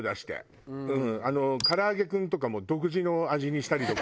あのからあげクンとかも独自の味にしたりとか。